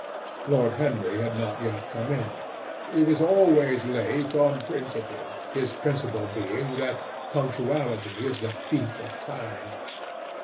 Lord Henry had not yet come in. He was always late on principle, his principle being that punctuality is the thief of time.